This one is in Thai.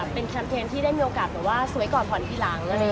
เป็นแคมเปญที่ได้มีโอกาสสวยก่อนผ่อนทีหลัง